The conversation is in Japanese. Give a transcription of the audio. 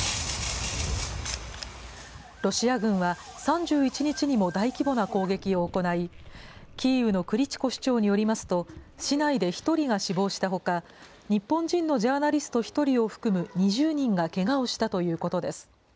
ロシア軍は３１日にも大規模な攻撃を行い、キーウのクリチコ市長によりますと、市内で１人が死亡したほか、日本人のジャーナリスト１人を含む２０人がけがをしたということです。